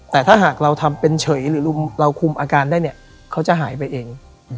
แต่ถ้าหากเราทำเป็นเฉยหรือเราคุมอาการได้เนี่ยเขาจะหายไปเอง